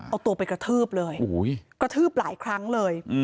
เอาตัวไปกระทืบเลยกระทืบหลายครั้งเลย